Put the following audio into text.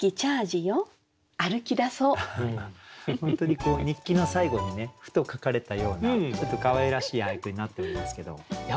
本当にこう日記の最後にふと書かれたようなちょっとかわいらしい俳句になってるんですけど。